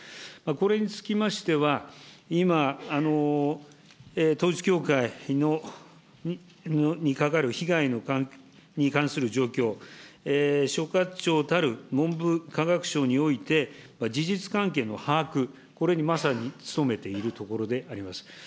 これにつきましては、今、統一教会にかかる被害に関する状況、所轄庁たる文部科学省において、事実関係の把握、これにまさに努めているところであります。